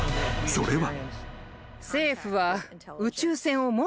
それは］